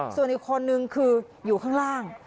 ส่วนอีกคนนึงคืออยู่ข้างล่าง